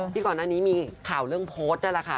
ก่อนหน้านี้มีข่าวเรื่องโพสต์นั่นแหละค่ะ